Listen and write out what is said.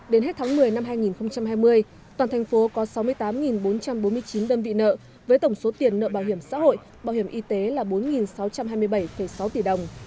đến hết tháng một mươi năm hai nghìn hai mươi toàn thành phố có sáu mươi tám bốn trăm bốn mươi chín đơn vị nợ với tổng số tiền nợ bảo hiểm xã hội bảo hiểm y tế là bốn sáu trăm hai mươi bảy sáu tỷ đồng